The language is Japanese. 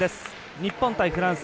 日本対フランス。